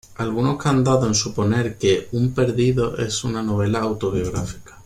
Algunos han dado en suponer que "Un perdido" es una novela autobiográfica.